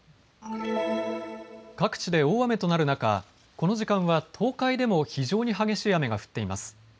各地で大雨となる中、この時間は東海でも非常に激しい雨が降っています。